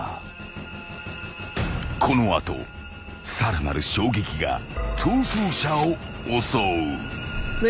［この後さらなる衝撃が逃走者を襲う］